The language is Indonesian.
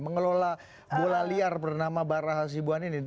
mengelola bola liar bernama barah hasibuan ini